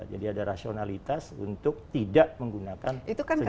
jadi ada rasionalitas untuk tidak menggunakan senjata nuklir